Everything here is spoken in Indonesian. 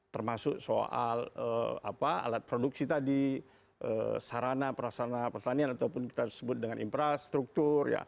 termasuk soal alat produksi tadi sarana perasana pertanian ataupun kita sebut dengan infrastruktur